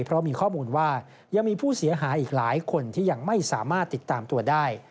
เพราะมีข้อมูลว่ายังมีผู้เสียหายอีกหลายคนที่ยังไม่สามารถติดตามตัวได้